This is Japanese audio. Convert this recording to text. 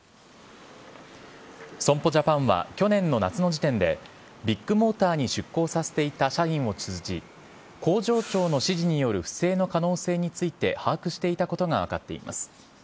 損保ジャパンは去年の夏の時点でビッグモーターに出向させていた社員を通じ工場長の指示による不正の可能性について把握していたことが分かっています。